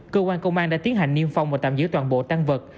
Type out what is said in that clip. cơ quan công an đã tiến hành niêm phong và tạm giữ toàn bộ tăng vật